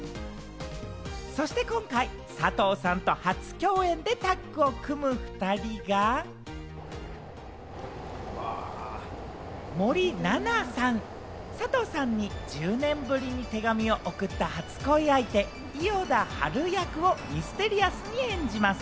そして今回、佐藤さんと初共演でタッグを組む２人が、森七菜さん。佐藤さんに１０年ぶりに手紙を送った初恋相手・伊予田春役をミステリアスに演じます。